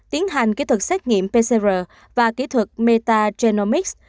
tiến hành kỹ thuật xét nghiệm pcr và kỹ thuật metagenomics